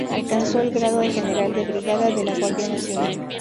Alcanzó el grado de General de Brigada de la Guardia Nacional.